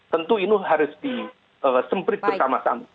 tentu ini harus disemprit bersama sama